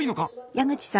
矢口さん